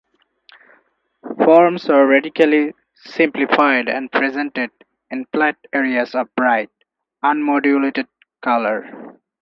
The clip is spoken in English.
Forms were radically simplified and presented in flat areas of bright, unmodulated color.